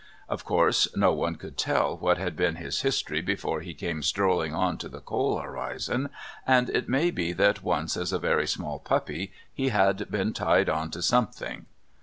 Of course no one could tell what had been his history before he came strolling on to the Cole horizon, and it may be that once as a very small puppy he had been tied on to something.